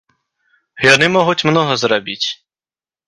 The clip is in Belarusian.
Яны могуць многа зрабіць.